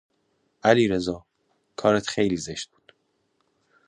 علیرضا ، کارت خیلی زشت بود